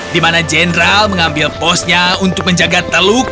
dimana jenderal mengambil posnya untuk menjaga teluk